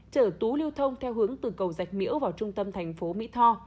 chở tú liêu thông theo hướng từ cầu giạch miễu vào trung tâm thành phố mỹ tho